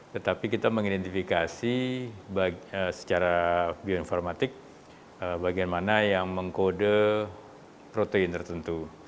tetapi kita mengidentifikasi secara bioinformatik bagian mana yang mengkode protein tertentu